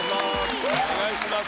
お願いします。